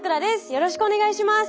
よろしくお願いします。